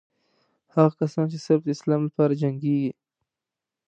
هغه کسان چې صرف د اسلام لپاره جنګېږي.